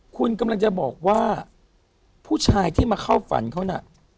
คุณกำลังจะบอกว่าผู้ชายที่มาเข้าฝันเขาน่ะ